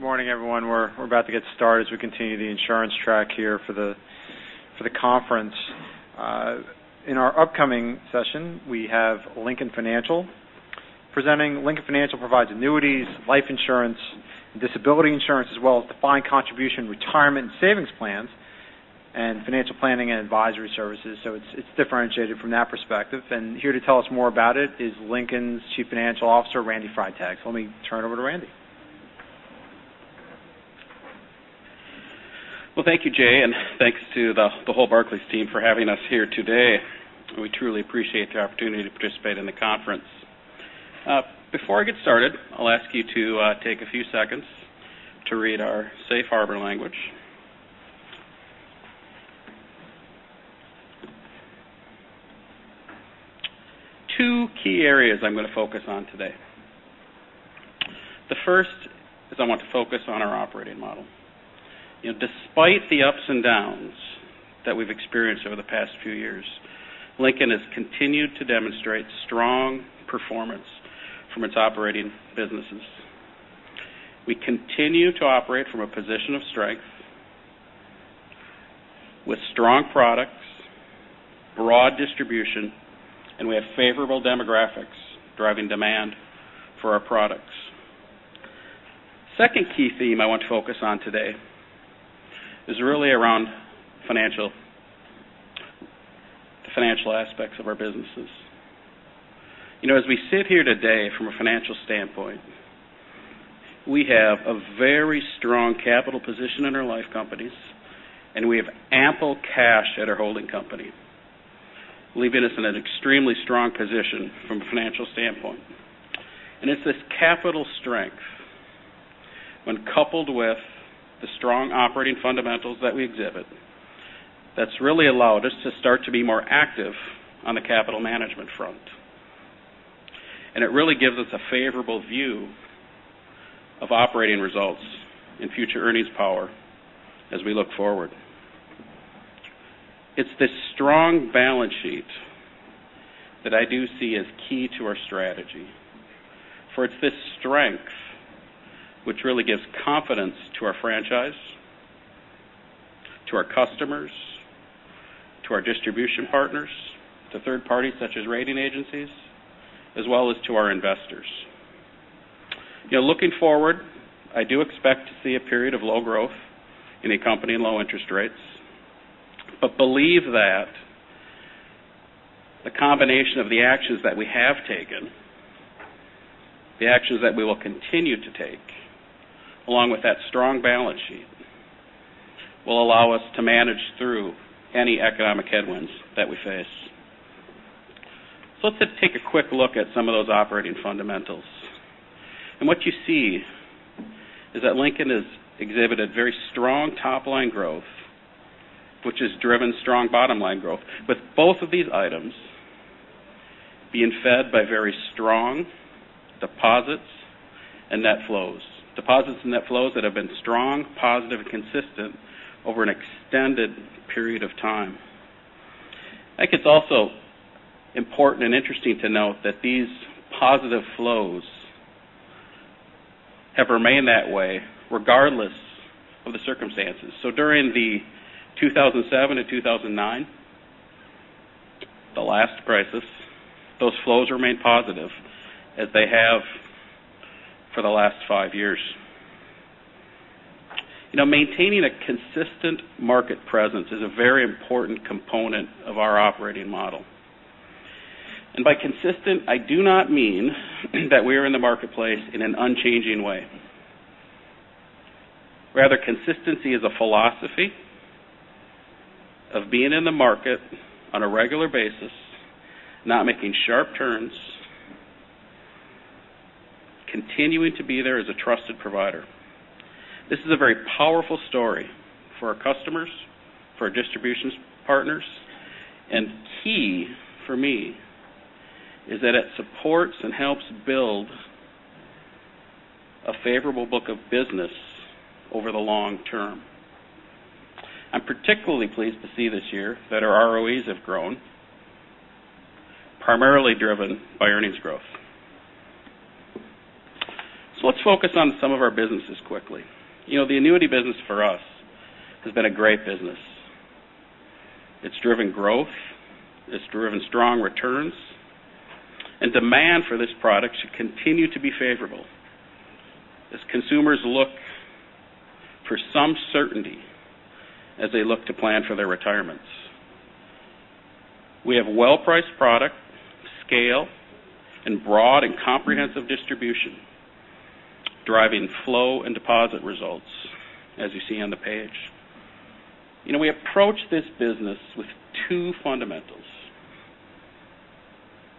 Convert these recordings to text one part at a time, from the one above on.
Good morning, everyone. We're about to get started as we continue the insurance track here for the conference. In our upcoming session, we have Lincoln Financial presenting. Lincoln Financial provides annuities, Life Insurance, Disability Insurance, as well as defined contribution retirement and savings plans, and financial planning and advisory services. It's differentiated from that perspective. Here to tell us more about it is Lincoln's Chief Financial Officer, Randy Freitag. Let me turn it over to Randy. Thank you, Jay, and thanks to the whole Barclays team for having us here today. We truly appreciate the opportunity to participate in the conference. Before I get started, I'll ask you to take a few seconds to read our safe harbor language. Two key areas I'm going to focus on today. The first is I want to focus on our operating model. Despite the ups and downs that we've experienced over the past few years, Lincoln has continued to demonstrate strong performance from its operating businesses. We continue to operate from a position of strength with strong products, broad distribution, and we have favorable demographics driving demand for our products. Second key theme I want to focus on today is really around financial aspects of our businesses. As we sit here today from a financial standpoint, we have a very strong capital position in our life companies, and we have ample cash at our holding company, leaving us in an extremely strong position from a financial standpoint. It's this capital strength, when coupled with the strong operating fundamentals that we exhibit, that's really allowed us to start to be more active on the capital management front. It really gives us a favorable view of operating results in future earnings power as we look forward. It's this strong balance sheet that I do see as key to our strategy. It's this strength which really gives confidence to our franchise, to our customers, to our distribution partners, to third parties such as rating agencies, as well as to our investors. Looking forward, I do expect to see a period of low growth in the company and low interest rates, believe that the combination of the actions that we have taken, the actions that we will continue to take, along with that strong balance sheet, will allow us to manage through any economic headwinds that we face. Let's just take a quick look at some of those operating fundamentals. What you see is that Lincoln has exhibited very strong top-line growth, which has driven strong bottom-line growth, with both of these items being fed by very strong deposits and net flows. Deposits and net flows that have been strong, positive, and consistent over an extended period of time. I think it's also important and interesting to note that these positive flows have remained that way regardless of the circumstances. During the 2007 and 2009, the last crisis, those flows remained positive, as they have for the last five years. Maintaining a consistent market presence is a very important component of our operating model. By consistent, I do not mean that we are in the marketplace in an unchanging way. Rather, consistency is a philosophy of being in the market on a regular basis, not making sharp turns, continuing to be there as a trusted provider. This is a very powerful story for our customers, for our distribution partners, and key, for me, is that it supports and helps build a favorable book of business over the long term. I'm particularly pleased to see this year that our ROEs have grown, primarily driven by earnings growth. Let's focus on some of our businesses quickly. The annuity business for us has been a great business. It's driven growth. It's driven strong returns. Demand for this product should continue to be favorable as consumers look for some certainty as they look to plan for their retirements. We have well-priced product, scale, and broad and comprehensive distribution driving flow and deposit results, as you see on the page. We approach this business with two fundamentals.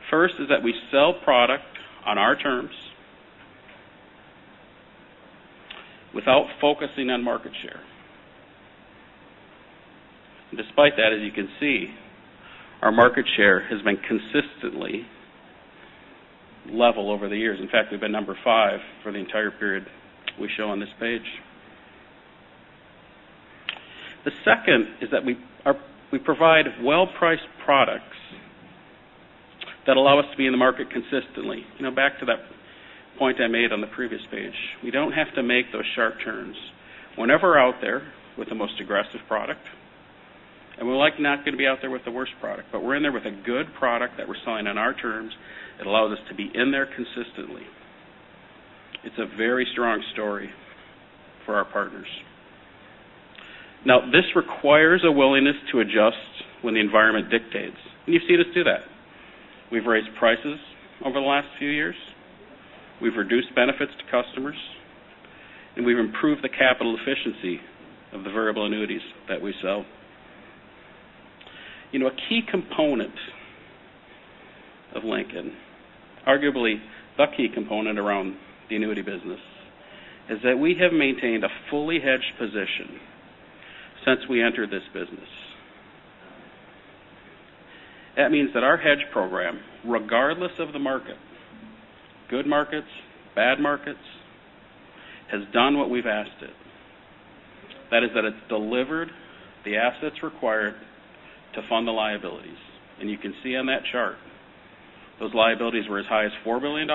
First is that we sell product on our terms without focusing on market share. Despite that, as you can see, our market share has been consistently level over the years. In fact, we've been number 5 for the entire period we show on this page. The second is that we provide well-priced products that allow us to be in the market consistently. Back to that point I made on the previous page, we don't have to make those sharp turns. We're never out there with the most aggressive product, and we're likely not going to be out there with the worst product. We're in there with a good product that we're selling on our terms. It allows us to be in there consistently. It's a very strong story for our partners. This requires a willingness to adjust when the environment dictates, and you've seen us do that. We've raised prices over the last few years, we've reduced benefits to customers, and we've improved the capital efficiency of the variable annuities that we sell. A key component of Lincoln, arguably the key component around the annuity business, is that we have maintained a fully hedged position since we entered this business. That means that our hedge program, regardless of the market, good markets, bad markets, has done what we've asked it. That is that it's delivered the assets required to fund the liabilities. You can see on that chart, those liabilities were as high as $4 billion,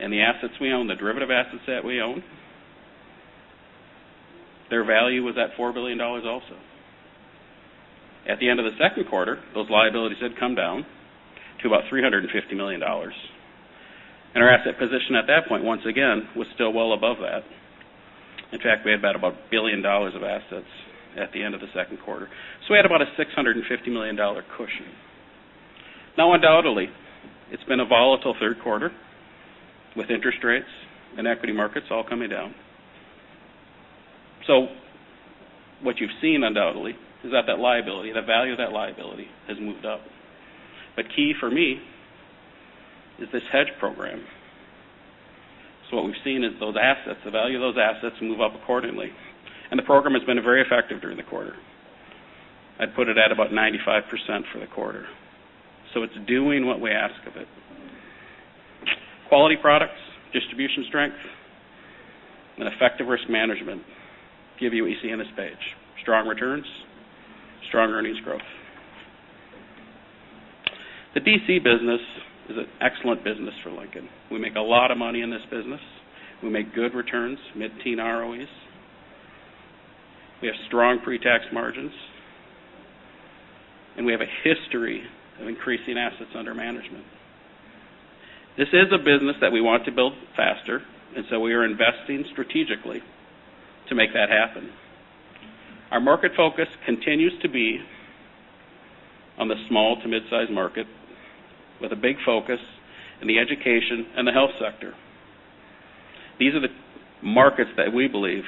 and the assets we own, the derivative assets that we own, their value was at $4 billion also. At the end of the second quarter, those liabilities had come down to about $350 million. Our asset position at that point, once again, was still well above that. In fact, we had about $1 billion of assets at the end of the second quarter. We had about a $650 million cushion. Undoubtedly, it's been a volatile third quarter with interest rates and equity markets all coming down. What you've seen, undoubtedly, is that the value of that liability has moved up. Key for me is this hedge program. What we've seen is those assets, the value of those assets move up accordingly, and the program has been very effective during the quarter. I'd put it at about 95% for the quarter. It's doing what we ask of it. Quality products, distribution strength, and effective risk management give you what you see on this page. Strong returns, strong earnings growth. The DC business is an excellent business for Lincoln. We make a lot of money in this business. We make good returns, mid-teen ROEs. We have strong pre-tax margins, and we have a history of increasing assets under management. This is a business that we want to build faster, we are investing strategically to make that happen. Our market focus continues to be on the small to mid-size market with a big focus in the education and the health sector. These are the markets that we believe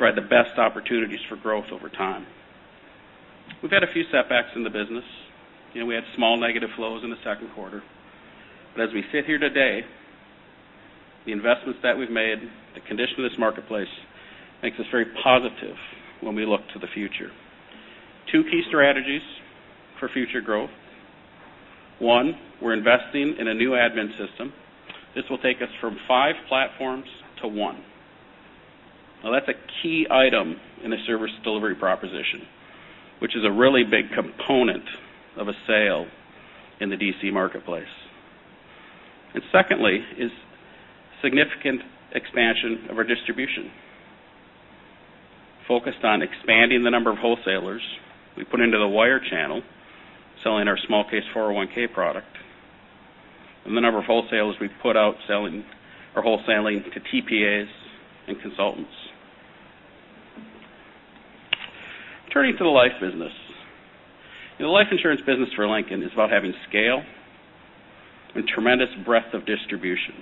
provide the best opportunities for growth over time. We've had a few setbacks in the business. We had small negative flows in the second quarter. As we sit here today, the investments that we've made, the condition of this marketplace makes us very positive when we look to the future. Two key strategies for future growth. One, we're investing in a new admin system. This will take us from five platforms to one. That's a key item in the service delivery proposition, which is a really big component of a sale in the DC marketplace. Secondly is significant expansion of our distribution, focused on expanding the number of wholesalers we put into the wire channel selling our small case 401 product, and the number of wholesalers we've put out wholesaling to TPAs and consultants. Turning to the life business. The Life Insurance business for Lincoln is about having scale and tremendous breadth of distribution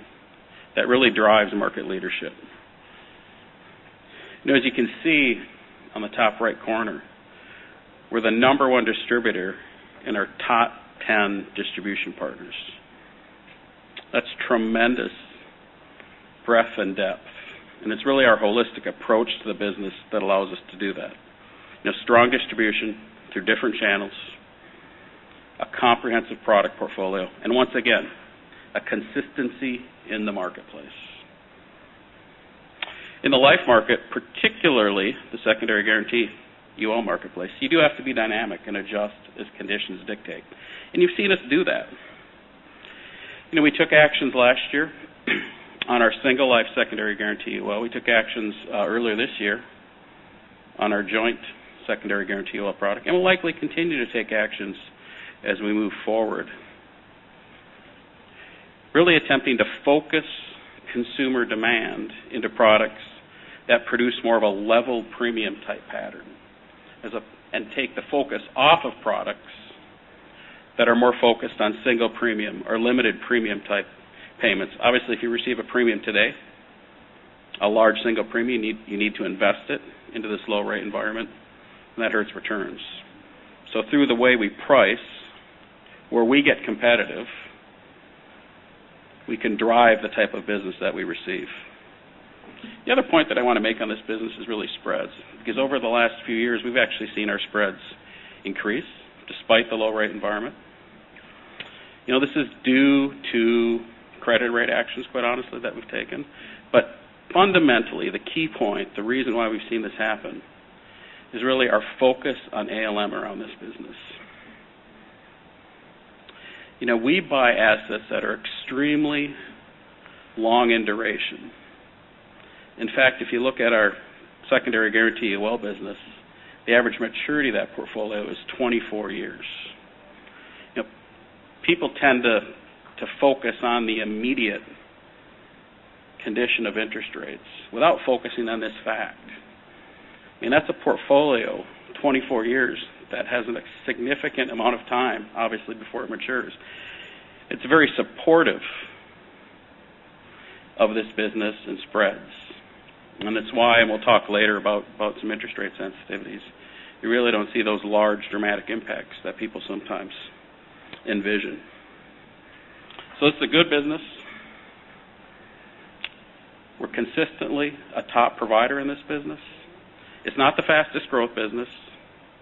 that really drives market leadership. As you can see on the top right corner, we're the number one distributor in our top 10 distribution partners. That's tremendous breadth and depth, it's really our holistic approach to the business that allows us to do that. Strong distribution through different channels, a comprehensive product portfolio, once again, a consistency in the marketplace. In the life market, particularly the secondary guarantee UL marketplace, you do have to be dynamic and adjust as conditions dictate. You've seen us do that. We took actions last year on our single life secondary guarantee. We took actions earlier this year on our joint secondary guarantee UL product and will likely continue to take actions as we move forward. Really attempting to focus consumer demand into products that produce more of a level premium type pattern and take the focus off of products that are more focused on single premium or limited premium type payments. Obviously, if you receive a premium today, a large single premium, you need to invest it into this low rate environment, and that hurts returns. Through the way we price, where we get competitive, we can drive the type of business that we receive. The other point that I want to make on this business is really spreads, because over the last few years, we've actually seen our spreads increase despite the low rate environment. This is due to credit rate actions, quite honestly, that we've taken. Fundamentally, the key point, the reason why we've seen this happen, is really our focus on ALM around this business. We buy assets that are extremely long in duration. In fact, if you look at our secondary guarantee UL business, the average maturity of that portfolio is 24 years. People tend to focus on the immediate condition of interest rates without focusing on this fact. That's a portfolio, 24 years, that has a significant amount of time, obviously, before it matures. It's very supportive of this business and spreads. That's why, and we'll talk later about some interest rate sensitivities. You really don't see those large dramatic impacts that people sometimes envision. It's a good business. We're consistently a top provider in this business. It's not the fastest growth business.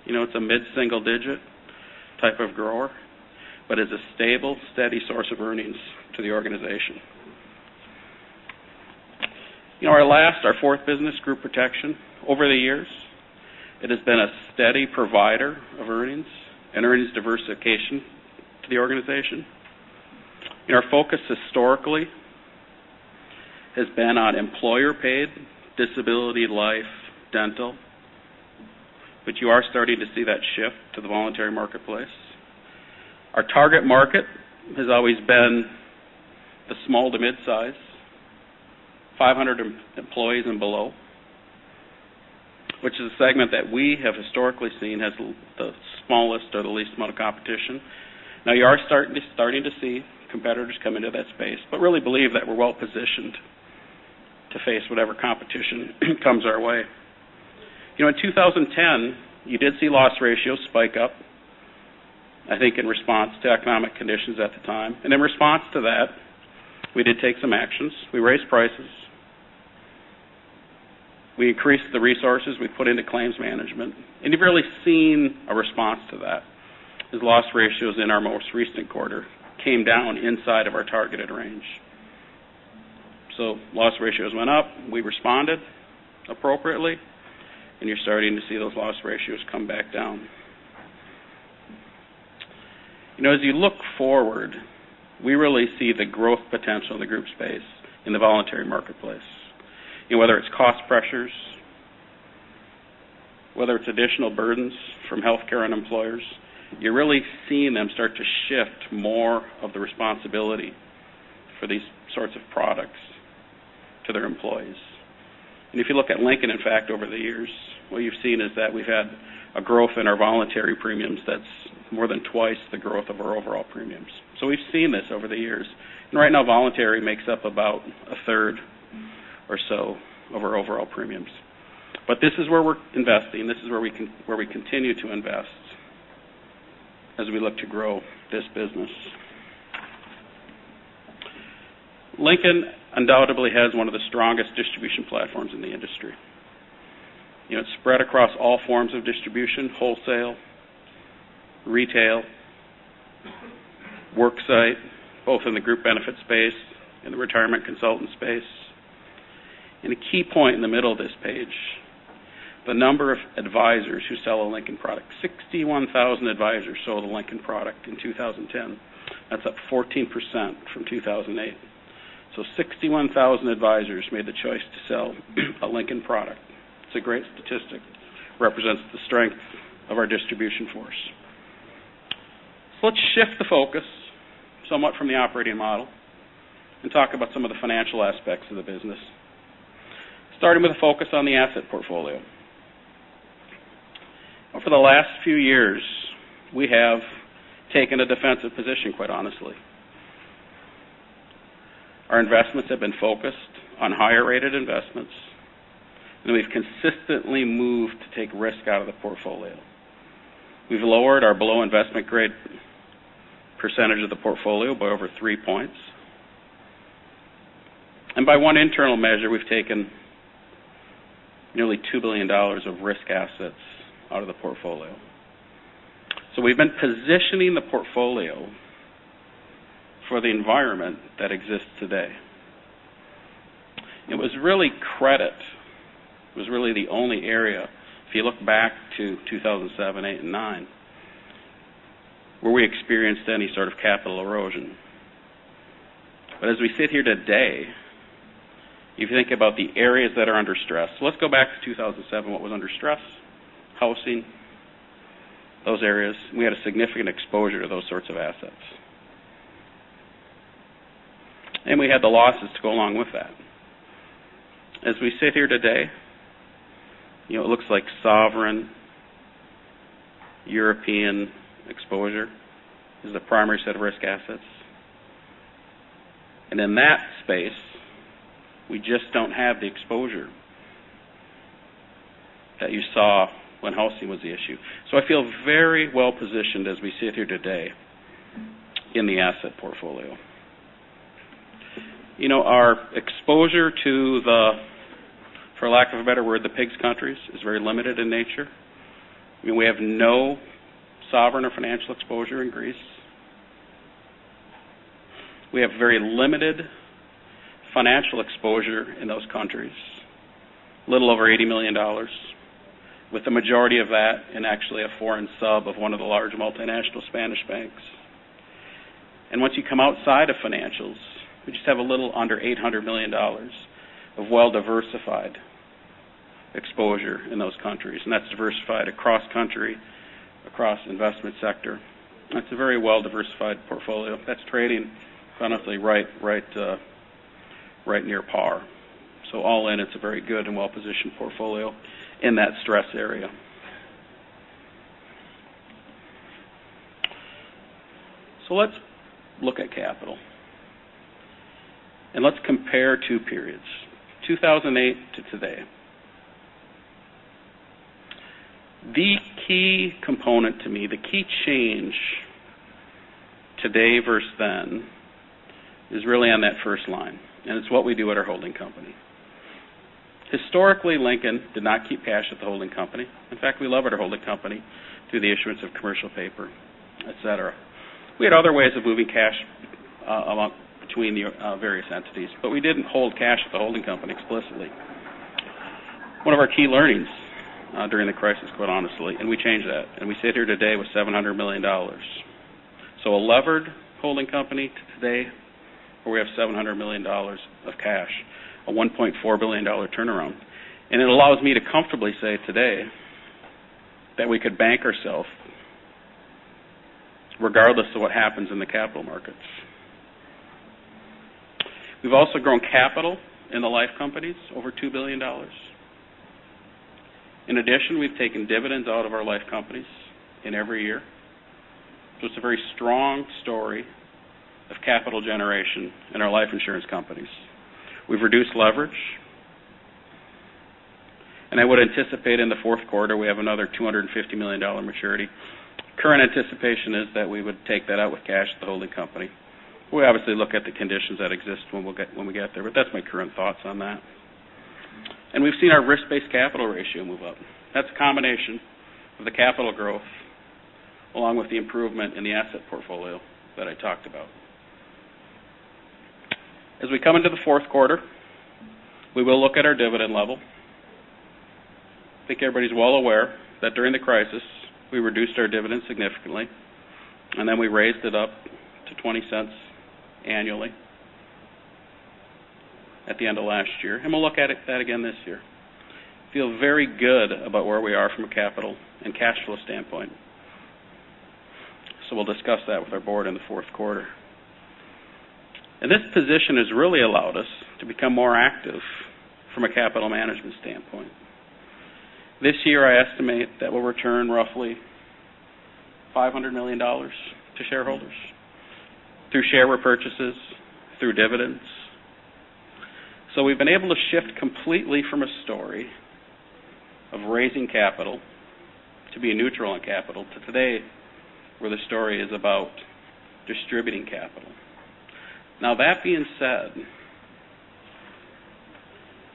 It's a mid-single digit type of grower, but is a stable, steady source of earnings to the organization. Our last, our fourth business Group Protection. Over the years, it has been a steady provider of earnings and earnings diversification to the organization. Our focus historically has been on employer-paid Disability Life dental, but you are starting to see that shift to the voluntary marketplace. Our target market has always been the small to midsize, 500 employees and below, which is a segment that we have historically seen as the smallest or the least amount of competition. Now you are starting to see competitors come into that space, but really believe that we're well positioned to face whatever competition comes our way. In 2010, you did see loss ratios spike up, I think in response to economic conditions at the time. In response to that, we did take some actions. We raised prices. We increased the resources we put into claims management. You've really seen a response to that, as loss ratios in our most recent quarter came down inside of our targeted range. Loss ratios went up. We responded appropriately, and you're starting to see those loss ratios come back down. As you look forward, we really see the growth potential in the group space in the voluntary marketplace. Whether it's cost pressures, whether it's additional burdens from healthcare and employers, you're really seeing them start to shift more of the responsibility for these sorts of products to their employees. If you look at Lincoln, in fact, over the years, what you've seen is that we've had a growth in our voluntary premiums that's more than twice the growth of our overall premiums. We've seen this over the years. Right now, voluntary makes up about a third or so of our overall premiums. This is where we're investing. This is where we continue to invest as we look to grow this business. Lincoln undoubtedly has one of the strongest distribution platforms in the industry. It's spread across all forms of distribution, wholesale, retail, work site, both in the group benefit space and the retirement consultant space. A key point in the middle of this page, the number of advisors who sell a Lincoln product, 61,000 advisors sold a Lincoln product in 2010. That's up 14% from 2008. 61,000 advisors made the choice to sell a Lincoln product. It's a great statistic, represents the strength of our distribution force. Let's shift the focus somewhat from the operating model and talk about some of the financial aspects of the business, starting with a focus on the asset portfolio. For the last few years, we have taken a defensive position, quite honestly. Our investments have been focused on higher rated investments, we've consistently moved to take risk out of the portfolio. We've lowered our below investment grade percentage of the portfolio by over 3 points. By one internal measure, we've taken nearly $2 billion of risk assets out of the portfolio. We've been positioning the portfolio for the environment that exists today. It was really credit was really the only area, if you look back to 2007, 2008 and 2009, where we experienced any sort of capital erosion. As we sit here today, if you think about the areas that are under stress. Let's go back to 2007, what was under stress? Housing, those areas. We had a significant exposure to those sorts of assets. We had the losses to go along with that. As we sit here today, it looks like sovereign European exposure is the primary set of risk assets. In that space, we just don't have the exposure that you saw when housing was the issue. I feel very well positioned as we sit here today in the asset portfolio. Our exposure to the, for lack of a better word, the PIGS countries is very limited in nature. We have no sovereign or financial exposure in Greece. We have very limited financial exposure in those countries, a little over $80 million, with the majority of that in actually a foreign sub of one of the large multinational Spanish banks. Once you come outside of financials, we just have a little under $800 million of well-diversified exposure in those countries, and that's diversified across country, across investment sector. It's a very well-diversified portfolio that's trading funnily right near par. All in, it's a very good and well-positioned portfolio in that stress area. Let's look at capital, let's compare 2 periods, 2008 to today. The key component to me, the key change today versus then, is really on that first line, and it's what we do at our holding company. Historically, Lincoln did not keep cash at the holding company. In fact, we levered our holding company through the issuance of commercial paper, et cetera. We had other ways of moving cash along between the various entities, but we didn't hold cash at the holding company explicitly. One of our key learnings during the crisis, quite honestly, and we changed that, and we sit here today with $700 million. A levered holding company to today, where we have $700 million of cash, a $1.4 billion turnaround. It allows me to comfortably say today that we could bank ourself regardless of what happens in the capital markets. We've also grown capital in the life companies, over $2 billion. In addition, we've taken dividends out of our life companies in every year. It's a very strong story of capital generation in our life insurance companies. We've reduced leverage. I would anticipate in the fourth quarter, we have another $250 million maturity. Current anticipation is that we would take that out with cash at the holding company. We'll obviously look at the conditions that exist when we get there, but that's my current thoughts on that. We've seen our risk-based capital ratio move up. That's a combination of the capital growth along with the improvement in the asset portfolio that I talked about. As we come into the fourth quarter, we will look at our dividend level. I think everybody's well aware that during the crisis, we reduced our dividend significantly, then we raised it up to $0.20 annually at the end of last year, and we'll look at that again this year. Feel very good about where we are from a capital and cash flow standpoint. We'll discuss that with our board in the fourth quarter. This position has really allowed us to become more active from a capital management standpoint. This year, I estimate that we'll return roughly $500 million to shareholders through share repurchases, through dividends. We've been able to shift completely from a story of raising capital to being neutral on capital to today, where the story is about distributing capital. That being said,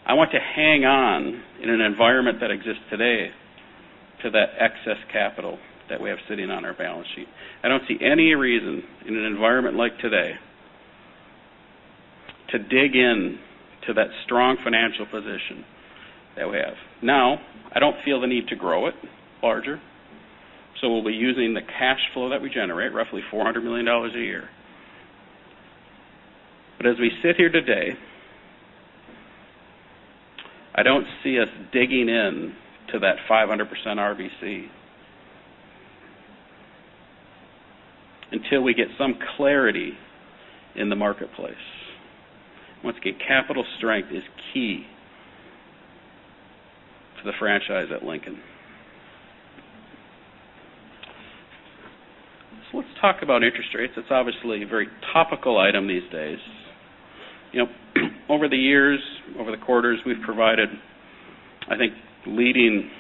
I want to hang on in an environment that exists today to that excess capital that we have sitting on our balance sheet. I don't see any reason in an environment like today to dig in to that strong financial position that we have. I don't feel the need to grow it larger, so we'll be using the cash flow that we generate, roughly $400 million a year. As we sit here today, I don't see us digging in to that 500% RBC until we get some clarity in the marketplace. Once again, capital strength is key to the franchise at Lincoln. Let's talk about interest rates. It's obviously a very topical item these days. Over the years, over the quarters, we've provided, I think, leading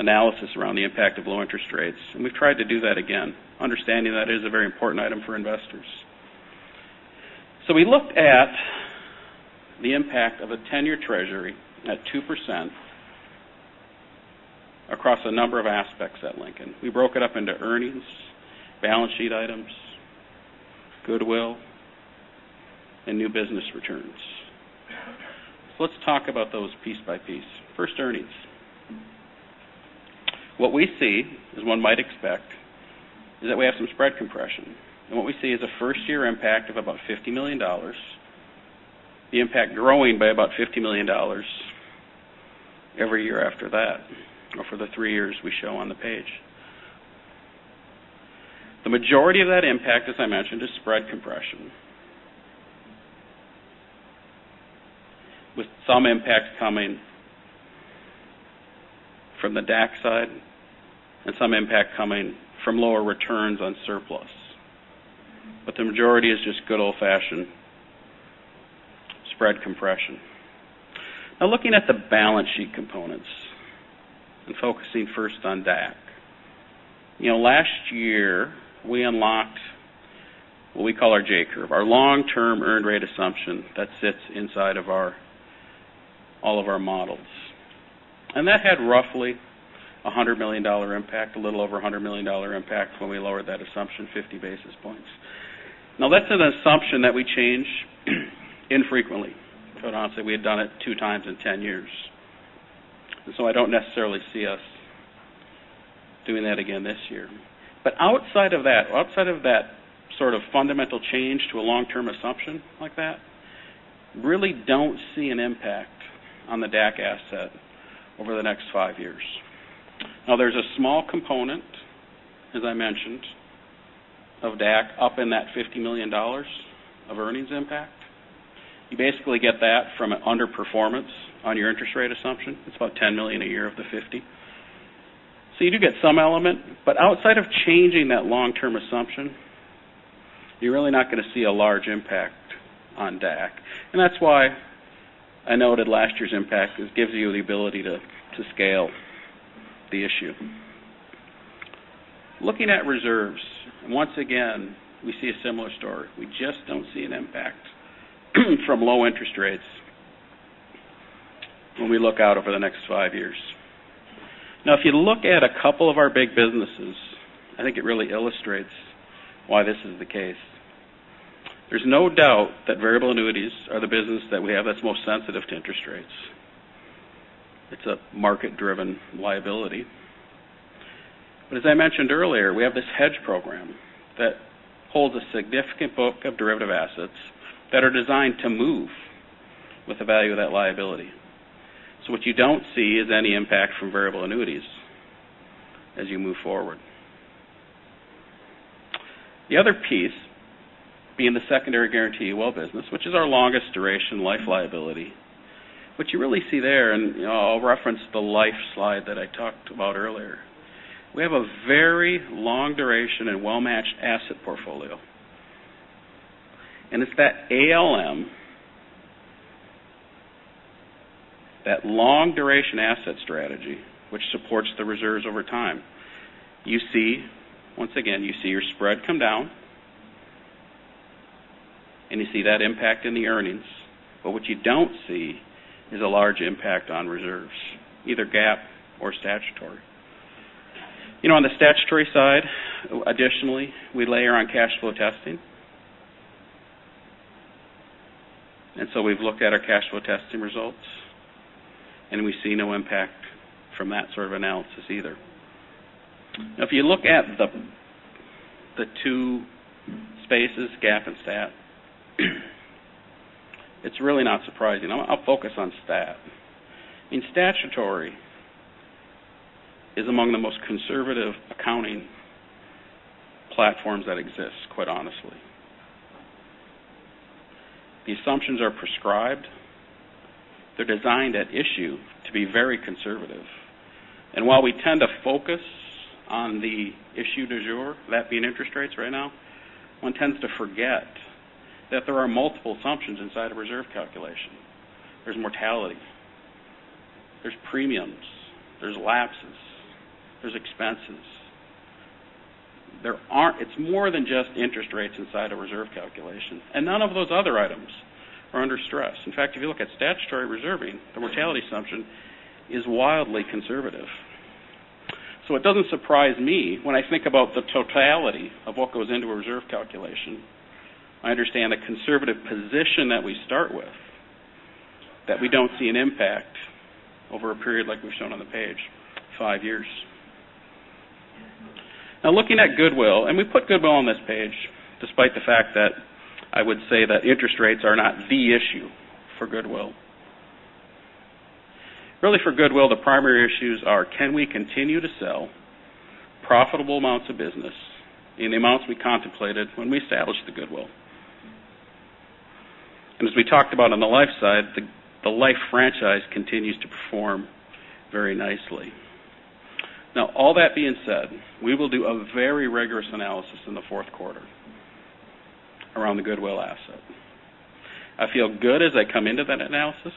analysis around the impact of low interest rates, we've tried to do that again, understanding that is a very important item for investors. We looked at the impact of a 10-year Treasury at 2% across a number of aspects at Lincoln. We broke it up into earnings, balance sheet items, goodwill, and new business returns. Let's talk about those piece by piece. First, earnings. What we see, as one might expect, is that we have some spread compression, and what we see is a first year impact of about $50 million, the impact growing by about $50 million every year after that, or for the three years we show on the page. The majority of that impact, as I mentioned, is spread compression, with some impact coming from the DAC side and some impact coming from lower returns on surplus. The majority is just good old-fashioned spread compression. Looking at the balance sheet components and focusing first on DAC. Last year, we unlocked what we call our J-curve, our long-term earned rate assumption that sits inside of all of our models. That had roughly a little over $100 million impact when we lowered that assumption 50 basis points. That's an assumption that we change infrequently. Honestly, we had done it two times in 10 years. I don't necessarily see us doing that again this year. Outside of that sort of fundamental change to a long-term assumption like that, really don't see an impact on the DAC asset over the next five years. There's a small component, as I mentioned, of DAC up in that $50 million of earnings impact. You basically get that from an underperformance on your interest rate assumption. It's about $10 million a year of the $50. You do get some element, but outside of changing that long-term assumption, you're really not going to see a large impact on DAC. That's why I noted last year's impact. This gives you the ability to scale the issue. Looking at reserves, once again, we see a similar story. We just don't see an impact from low interest rates when we look out over the next five years. If you look at a couple of our big businesses, I think it really illustrates why this is the case. There's no doubt that variable annuities are the business that we have that's most sensitive to interest rates. It's a market-driven liability. As I mentioned earlier, we have this hedge program that holds a significant book of derivative assets that are designed to move with the value of that liability. What you don't see is any impact from variable annuities as you move forward. The other piece being the secondary guarantee UL business, which is our longest duration life liability. What you really see there, and I'll reference the life slide that I talked about earlier, we have a very long duration and well-matched asset portfolio. It's that ALM, that long duration asset strategy, which supports the reserves over time. Once again, you see your spread come down, and you see that impact in the earnings. What you don't see is a large impact on reserves, either GAAP or statutory. On the statutory side, additionally, we layer on cash flow testing. We've looked at our cash flow testing results, and we see no impact from that sort of analysis either. If you look at the two spaces, GAAP and stat, it's really not surprising. I'll focus on stat. In statutory, is among the most conservative accounting platforms that exist, quite honestly. The assumptions are prescribed. They're designed at issue to be very conservative. While we tend to focus on the issue du jour, that being interest rates right now, one tends to forget that there are multiple assumptions inside a reserve calculation. There's mortality, there's premiums, there's lapses, there's expenses. It's more than just interest rates inside a reserve calculation, and none of those other items are under stress. In fact, if you look at statutory reserving, the mortality assumption is wildly conservative. It doesn't surprise me when I think about the totality of what goes into a reserve calculation. I understand the conservative position that we start with, that we don't see an impact over a period like we've shown on the page, five years. Looking at goodwill, and we put goodwill on this page despite the fact that I would say that interest rates are not the issue for goodwill. Really for goodwill, the primary issues are, can we continue to sell profitable amounts of business in the amounts we contemplated when we established the goodwill? As we talked about on the life side, the life franchise continues to perform very nicely. All that being said, we will do a very rigorous analysis in the fourth quarter around the goodwill asset. I feel good as I come into that analysis,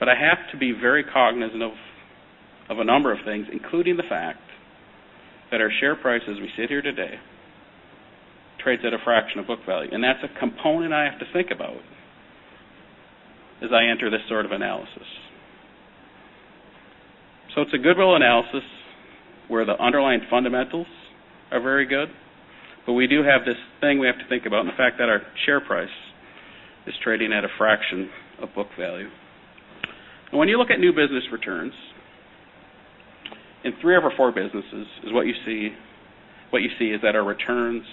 but I have to be very cognizant of a number of things, including the fact that our share price, as we sit here today, trades at a fraction of book value. That's a component I have to think about as I enter this sort of analysis. It's a goodwill analysis where the underlying fundamentals are very good, but we do have this thing we have to think about, and the fact that our share price is trading at a fraction of book value. When you look at new business returns, in three out of our four businesses, what you see is that our returns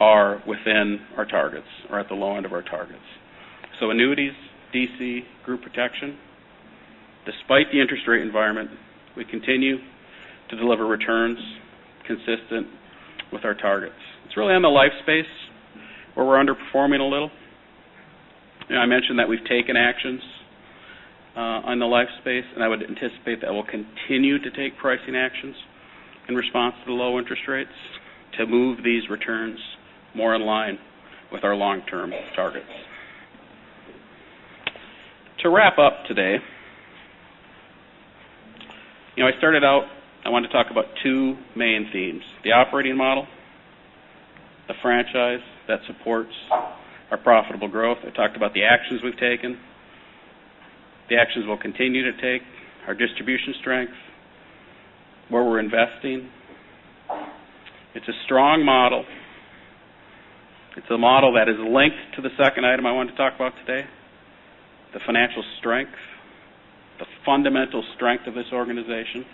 are within our targets or at the low end of our targets. Annuities, DC, Group Protection, despite the interest rate environment, we continue to deliver returns consistent with our targets. It's really on the life space where we're underperforming a little. I mentioned that we've taken actions on the life space. I would anticipate that we'll continue to take pricing actions in response to the low interest rates to move these returns more in line with our long-term targets. To wrap up today, I started out, I wanted to talk about two main themes, the operating model, the franchise that supports our profitable growth. I talked about the actions we've taken, the actions we'll continue to take, our distribution strength, where we're investing. It's a strong model. It's a model that is linked to the second item I wanted to talk about today, the financial strength, the fundamental strength of this organization,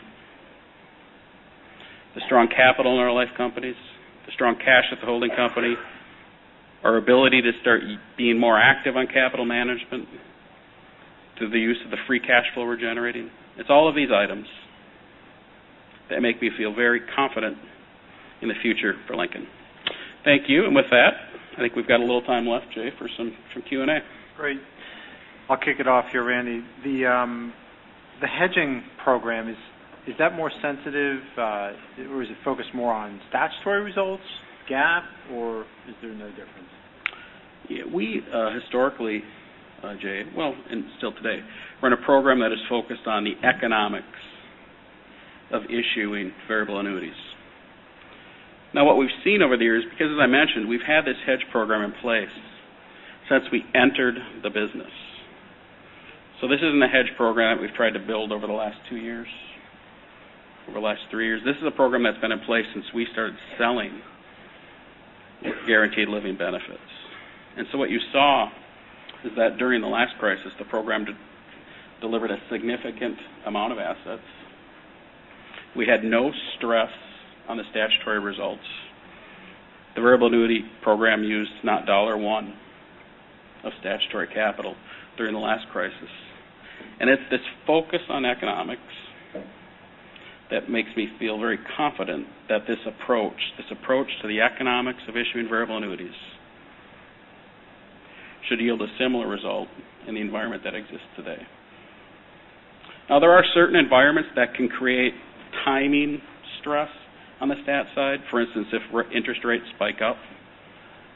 the strong capital in our life companies, the strong cash at the holding company, our ability to start being more active on capital management through the use of the free cash flow we're generating. It's all of these items that make me feel very confident in the future for Lincoln. Thank you. With that, I think we've got a little time left, Jay, for some Q&A. Great. I'll kick it off here, Randy. The hedging program, is that more sensitive, or is it focused more on statutory results, GAAP, or is there no difference? We historically, Jay, well, and still today, run a program that is focused on the economics of issuing variable annuities. What we've seen over the years, because as I mentioned, we've had this hedge program in place since we entered the business. This isn't a hedge program we've tried to build over the last two years, over the last three years. This is a program that's been in place since we started selling Guaranteed Living Benefits. What you saw is that during the last crisis, the program delivered a significant amount of assets. We had no stress on the statutory results. The variable annuity program used not dollar one of statutory capital during the last crisis. It's this focus on economics that makes me feel very confident that this approach to the economics of issuing variable annuities should yield a similar result in the environment that exists today. There are certain environments that can create timing stress on the stat side. For instance, if interest rates spike up,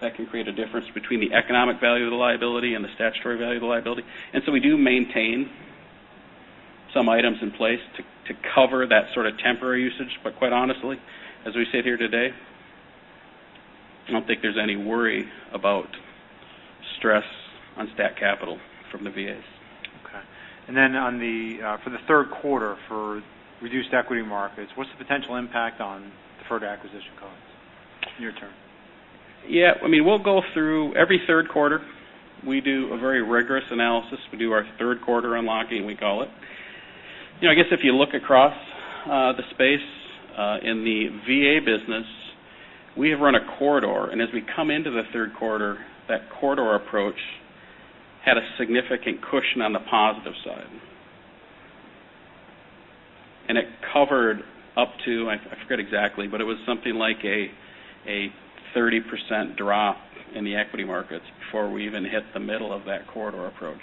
that can create a difference between the economic value of the liability and the statutory value of the liability. We do maintain some items in place to cover that sort of temporary usage. Quite honestly, as we sit here today, I don't think there's any worry about stress on stat capital from the VAs. Okay. For the third quarter for reduced equity markets, what's the potential impact on deferred acquisition costs, year to date? Yeah. We'll go through every third quarter. We do a very rigorous analysis. We do our third quarter unlocking, we call it. I guess if you look across the space in the VA business, we have run a corridor, as we come into the third quarter, that corridor approach had a significant cushion on the positive side. It covered up to, I forget exactly, but it was something like a 30% drop in the equity markets before we even hit the middle of that corridor approach.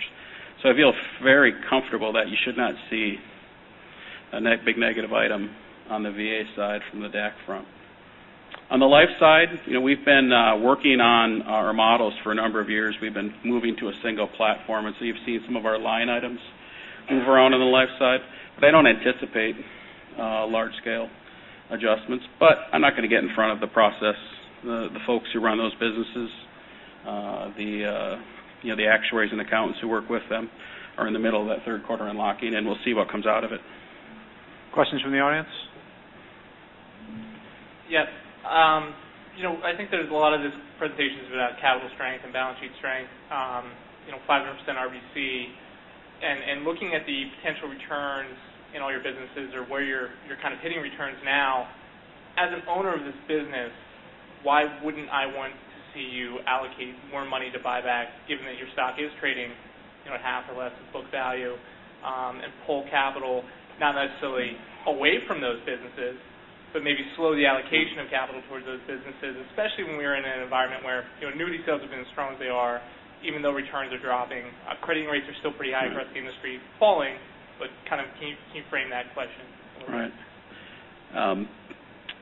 I feel very comfortable that you should not see a big negative item on the VA side from the DAC front. On the life side, we've been working on our models for a number of years. We've been moving to a single platform. You've seen some of our line items move around on the life side. I don't anticipate large-scale adjustments, but I'm not going to get in front of the process. The folks who run those businesses, the actuaries and accountants who work with them are in the middle of that third quarter unlocking. We'll see what comes out of it. Questions from the audience? Yes. I think there's a lot of these presentations about capital strength and balance sheet strength, 500% RBC. Looking at the potential returns in all your businesses or where you're kind of hitting returns now, as an owner of this business, why wouldn't I want to see you allocate more money to buyback, given that your stock is trading half or less of book value, and pull capital, not necessarily away from those businesses, but maybe slow the allocation of capital towards those businesses, especially when we are in an environment where annuity sales have been as strong as they are, even though returns are dropping. Crediting rates are still pretty high across the industry, falling, but kind of can you frame that question a little bit? Right.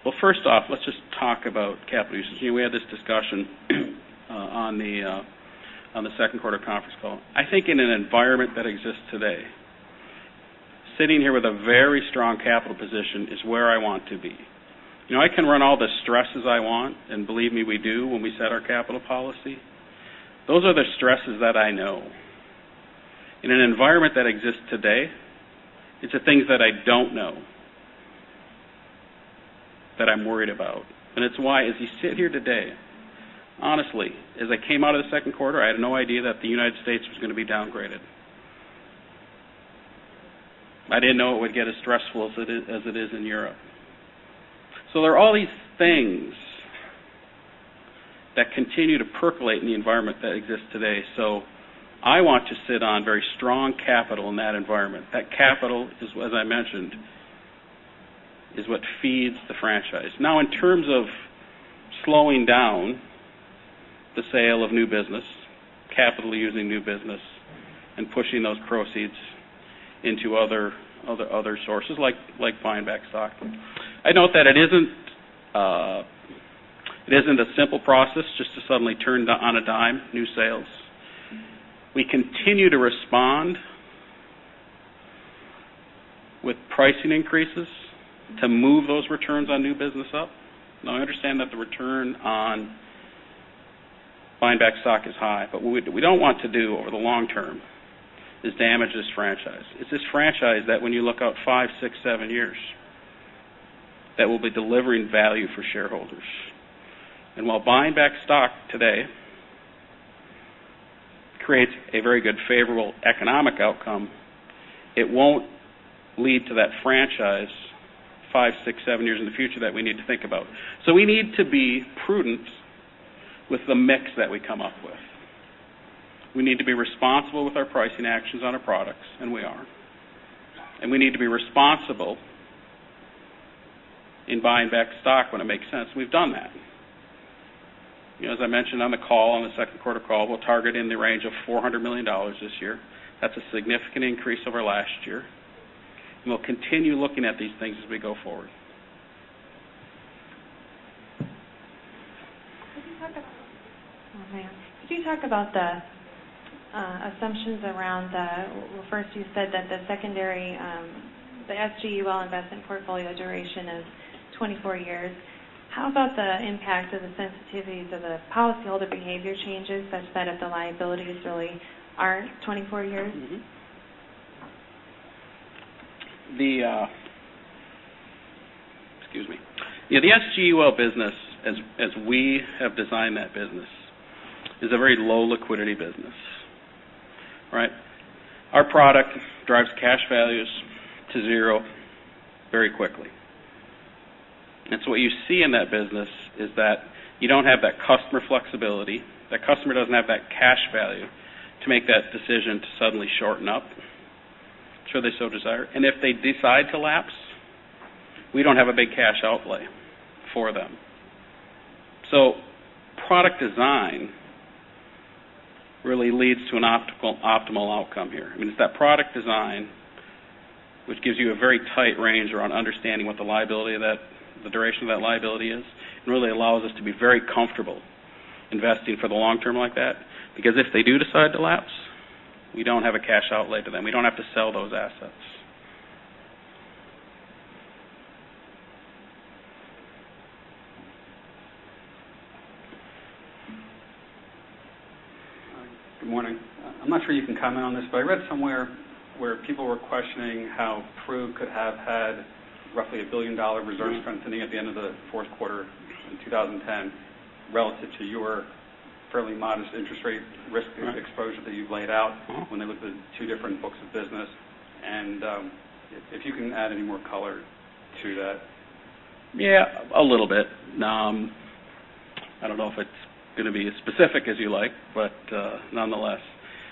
Well, first off, let's just talk about capital usage. We had this discussion on the second quarter conference call. I think in an environment that exists today, sitting here with a very strong capital position is where I want to be. I can run all the stresses I want, and believe me, we do when we set our capital policy. Those are the stresses that I know. In an environment that exists today, it's the things that I don't know that I'm worried about. It's why as you sit here today, honestly, as I came out of the second quarter, I had no idea that the U.S. was going to be downgraded. I didn't know it would get as stressful as it is in Europe. There are all these things that continue to percolate in the environment that exists today. I want to sit on very strong capital in that environment. That capital is, as I mentioned, is what feeds the franchise. In terms of slowing down the sale of new business, capital using new business, and pushing those proceeds into other sources, like buying back stock, I'd note that it isn't a simple process just to suddenly turn on a dime, new sales. We continue to respond with pricing increases to move those returns on new business up. I understand that the return on buying back stock is high. What we don't want to do over the long term is damage this franchise. It's this franchise that when you look out five, six, seven years, that will be delivering value for shareholders. While buying back stock today creates a very good favorable economic outcome, it won't lead to that franchise five, six, seven years in the future that we need to think about. We need to be prudent with the mix that we come up with. We need to be responsible with our pricing actions on our products, and we are. We need to be responsible in buying back stock when it makes sense, and we've done that. As I mentioned on the call, on the second quarter call, we'll target in the range of $400 million this year. That's a significant increase over last year. We'll continue looking at these things as we go forward. Could you talk about the assumptions around Well, first you said that the secondary, the SGUL investment portfolio duration is 24 years. How about the impact of the sensitivities of the policyholder behavior changes, such that if the liabilities really are 24 years? Excuse me. The SGUL business, as we have designed that business, is a very low liquidity business. Our product drives cash values to zero very quickly. What you see in that business is that you don't have that customer flexibility. The customer doesn't have that cash value to make that decision to suddenly shorten up should they so desire. If they decide to lapse, we don't have a big cash outlay for them. Product design really leads to an optimal outcome here. It's that product design which gives you a very tight range around understanding what the duration of that liability is, and really allows us to be very comfortable investing for the long term like that. Because if they do decide to lapse, we don't have a cash outlay to them. We don't have to sell those assets. Good morning. I'm not sure you can comment on this, but I read somewhere where people were questioning how Pru could have had roughly a $1 billion reserves strengthening at the end of the fourth quarter in 2010, relative to your fairly modest interest rate risk exposure that you've laid out when they looked at the two different books of business. If you can add any more color to that. Yeah, a little bit. I don't know if it's going to be as specific as you like, but nonetheless,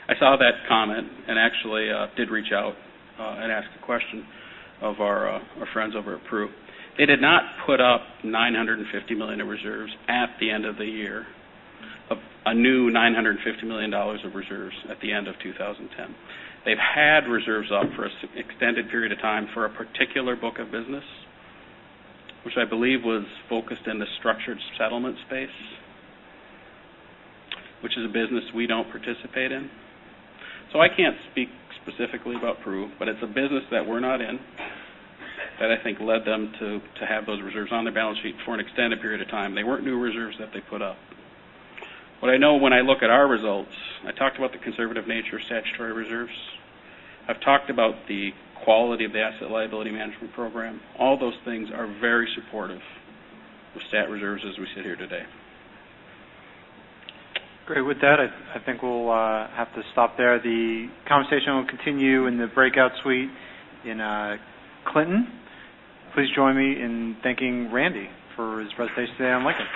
I saw that comment and actually did reach out and ask a question of our friends over at Pru. They did not put up $950 million of reserves at the end of the year, a new $950 million of reserves at the end of 2010. They've had reserves up for an extended period of time for a particular book of business, which I believe was focused in the Structured Settlement space, which is a business we don't participate in. I can't speak specifically about Pru, but it's a business that we're not in that I think led them to have those reserves on their balance sheet for an extended period of time. They weren't new reserves that they put up. What I know when I look at our results, I talked about the conservative nature of statutory reserves. I've talked about the quality of the asset liability management program. All those things are very supportive of stat reserves as we sit here today. Great. With that, I think we'll have to stop there. The conversation will continue in the breakout suite in Clinton. Please join me in thanking Randy for his presentation today on Lincoln.